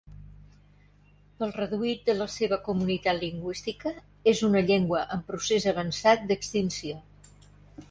Pel reduït de la seva comunitat lingüística, és una llengua en procés avançat d'extinció.